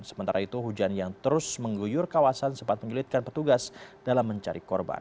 sementara itu hujan yang terus mengguyur kawasan sempat menyulitkan petugas dalam mencari korban